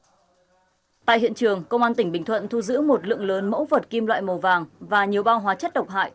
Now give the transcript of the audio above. đại tài hiện trường cơ quan tỉnh bình thuận thu giữ một lượng lớn mẫu vật kim loại màu vàng và nhiều bao hóa chất độc hại